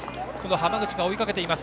濱口が追いかけています。